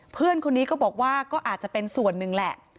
เพื่อนคนนี้ก็บอกว่าก็อาจจะเป็นส่วนหนึ่งแหละ